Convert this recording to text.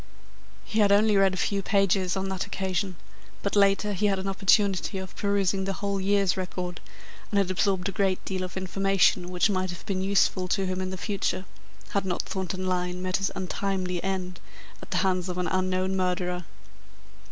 He had only read a few pages on that occasion, but later he had an opportunity of perusing the whole year's record, and had absorbed a great deal of information which might have been useful to him in the future, had not Thornton Lyne met his untimely end at the hands of an unknown murderer.